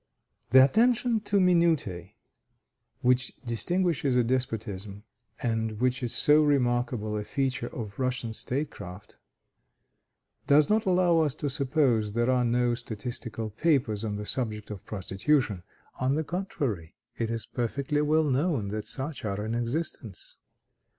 The attention to minutiæ which distinguishes a despotism, and which is so remarkable a feature of Russian state craft, does not allow us to suppose there are no statistical papers on the subject of prostitution; on the contrary, it is perfectly well known that such are in existence.